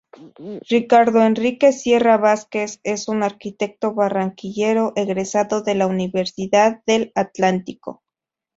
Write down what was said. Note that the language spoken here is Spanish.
Ricardo Enrique Sierra Vásquez es un arquitecto barranquillero egresado de la Universidad del Atlántico.